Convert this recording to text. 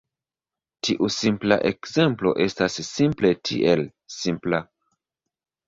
Tiu simpla ekzemplo estas simple tiel: simpla.